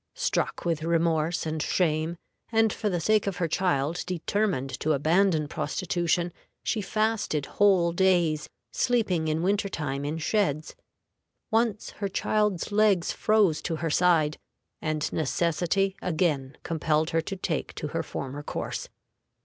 Struck with remorse and shame, and for the sake of her child determined to abandon prostitution, she fasted whole days, sleeping in winter time in sheds. Once her child's legs froze to her side, and necessity again compelled her to take to her former course.